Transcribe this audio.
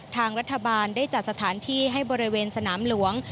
ทางรัฐบาลได้จัดสถานที่ให้บริเวณสนามหลวง